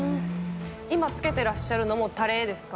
今つけてらっしゃるのもタレですか？